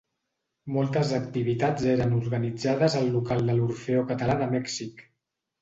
Moltes activitats eren organitzades al local de l'Orfeó Català de Mèxic.